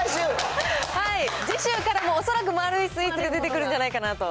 次週からも恐らく丸いスイーツが出てくるんじゃないかなと。